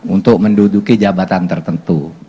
untuk menduduki jabatan tertentu